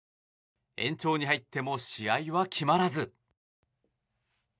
延長に入っても試合は決まらず。